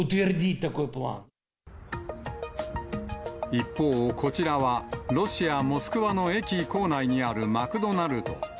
一方、こちらはロシア・モスクワの駅構内にあるマクドナルド。